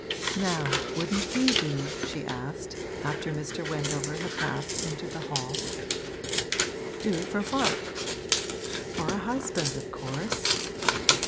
'Now, wouldn't he do?' she asked, after Mr. Wendover had passed into the hall. 'Do for what?' 'For a husband, of course.'